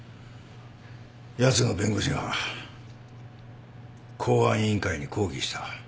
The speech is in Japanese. やつの弁護士が公安委員会に抗議した。